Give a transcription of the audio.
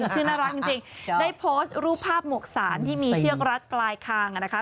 ชื่อน่ารักจริงได้โพสต์รูปภาพหมวกสารที่มีเชือกรัดปลายคางนะคะ